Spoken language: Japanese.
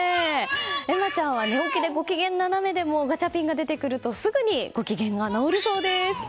恵茉ちゃんは、寝起きでご機嫌斜めでもガチャピンが出てくるとすぐにご機嫌が治るそうです。